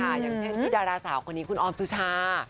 อย่างเช่นที่ดาราสาวคนนี้คุณออมสุชา